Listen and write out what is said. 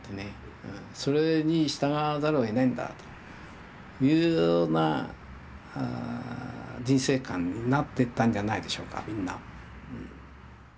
それに従わざるをえないんだというような人生観になってったんじゃないでしょうかみんな。